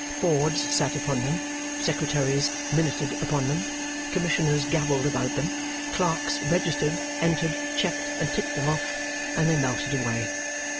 Boards sat upon them, secretaries minuted upon them, commissioners gabbled about them, clerks registered, entered, checked, and ticked them off, and they melted away.